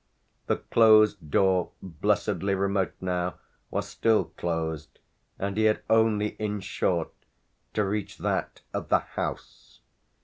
The closed door, blessedly remote now, was still closed and he had only in short to reach that of the house.